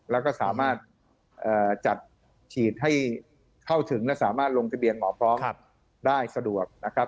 แล้วก็สามารถจัดฉีดให้เข้าถึงและสามารถลงทะเบียนหมอพร้อมได้สะดวกนะครับ